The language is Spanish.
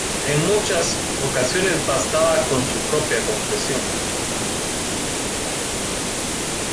En muchas ocasiones bastaba con su propia confesión.